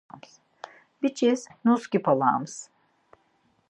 Biç̌is nusǩip̌olams.